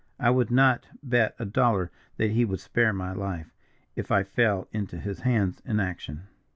I would not bet a dollar that he would spare my life, if I fell into his hands in action."